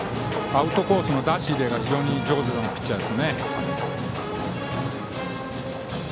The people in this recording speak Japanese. アウトコースの出し入れが非常に上手なピッチャーですね。